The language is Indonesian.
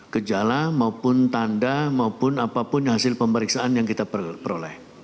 gejala maupun tanda maupun apapun hasil pemeriksaan yang kita peroleh